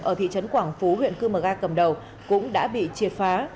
ở thị trấn quảng phú huyện cư mờ ga cầm đầu cũng đã bị triệt phá